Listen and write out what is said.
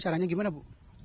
airnya gimana bu